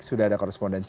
sudah ada korespondensi